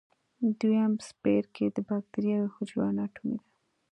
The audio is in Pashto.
دویم څپرکی د بکټریاوي حجرو اناټومي ده.